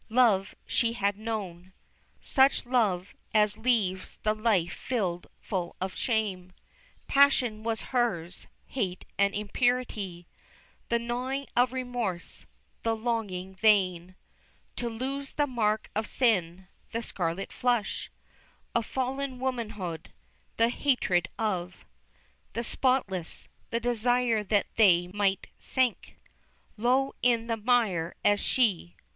Love she had known, Such love as leaves the life filled full of shame, Passion was hers, hate and impurity, The gnawing of remorse, the longing vain To lose the mark of sin, the scarlet flush Of fallen womanhood, the hatred of The spotless, the desire that they might sink Low in the mire as she.